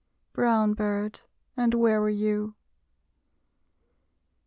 Brown bird, and where were you?